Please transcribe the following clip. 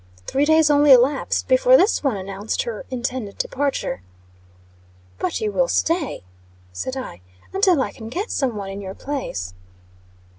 Three days only elapsed before this one announced her intended departure. "But you will stay," said I, "until I can get some one in your place."